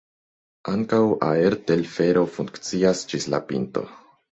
Ankaŭ aertelfero funkcias ĝis la pinto.